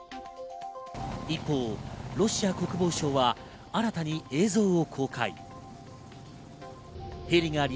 一方、ロシア国防省は新たに映像を公開。